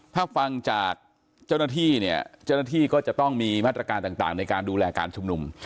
ถ้าฟังจากเจ้าหน้าที่เนี่ยเจ้าหน้าที่ก็จะต้องมีมาตรการต่างในการดูแลการชุมนุม